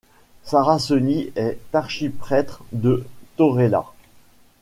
Saraceni est archiprêtre de Torella.